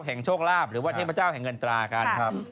โชคลาภหรือว่าเทพเจ้าแห่งเงินตรากันครับ